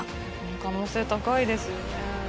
可能性高いですよね。